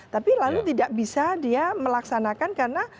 tapi lalu tidak bisa dia melaksanakan karena